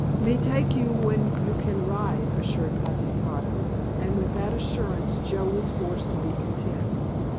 "Me take you when you can ride," assured Pashepaho, and with that assurance Joe was forced to be content.